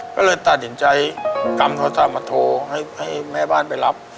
ก็เลยตั้งใจกำท่อมาโทรให้แม่บ้านไปรับ